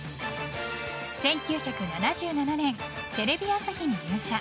１９７７年、テレビ朝日に入社。